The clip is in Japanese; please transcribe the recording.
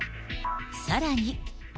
さらに。